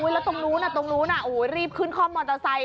แล้วตรงนู้นตรงนู้นรีบขึ้นคล่อมมอเตอร์ไซค